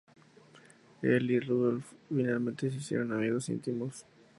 Él y Rudolph finalmente se hicieron amigos íntimos.